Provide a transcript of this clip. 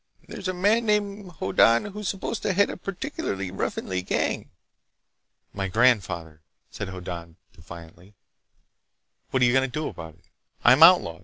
And there's a man named Hoddan who's supposed to head a particularly ruffianly gang." "My grandfather," said Hoddan defiantly. "What are you going to do about it? I'm outlawed!